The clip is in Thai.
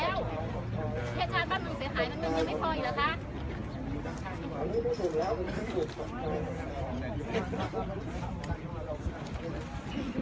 มีผู้ที่ได้รับบาดเจ็บและถูกนำตัวส่งโรงพยาบาลเป็นผู้หญิงวัยกลางคน